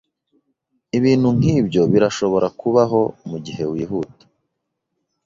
Ibintu nkibyo birashobora kubaho mugihe wihuta.